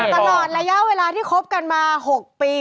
ตลอดระยะเวลาที่คบกันมา๖ปี